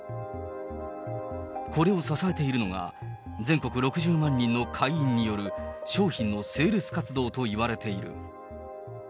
これを支えているのが、全国６０万人の会員による商品のセールス活動といわれている。